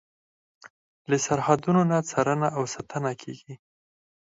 له سرحدونو نه څارنه او ساتنه کیږي.